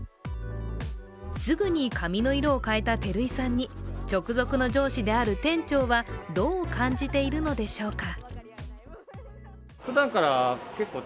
すぐに髪の色を変えた照井さんに直属の上司である店長はどう感じているのでしょうか。